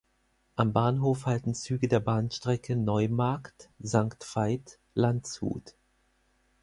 Am Bahnhof halten Züge der Bahnstrecke Neumarkt-Sankt Veit–Landshut.